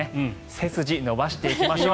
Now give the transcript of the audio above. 背筋伸ばしていきましょう。